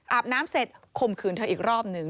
อาบน้ำเสร็จข่มขืนเธออีกรอบหนึ่ง